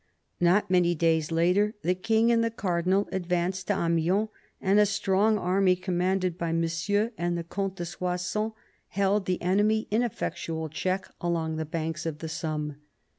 Not many days later, the King and the Cardinal advanced to Amiens, and a strong army, commanded by Monsieur and the Comte de Soissons, held the enemy in effectual check along the banks of the Somme.